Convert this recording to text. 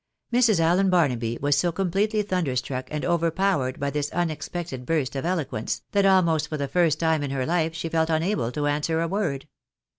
Mrs. Allen Barnaby was so completely thunderstruck and over powered by this unexpected burst of eloquence, that almost for the •first time in her life she felt unable to answer a word.